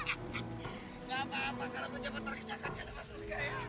gak apa apa kalau itu cepat terkejakan ya tuhan